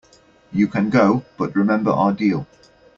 You can go, but remember our deal.